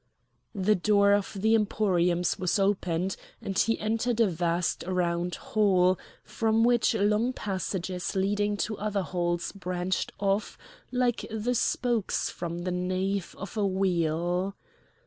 The door of the emporiums was opened, and he entered a vast round hall form which long passages leading to other halls branched off like the spokes from the nave of a wheel.